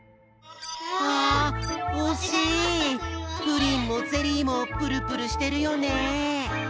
プリンもゼリーもプルプルしてるよね。